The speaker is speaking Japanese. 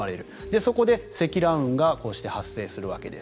そこで積乱雲がこうして発生するわけです。